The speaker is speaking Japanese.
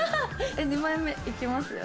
２枚目いきますよ。